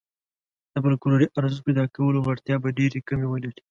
د فوکلوري ارزښت پيدا کولو وړتیا به ډېرې کمې ولري.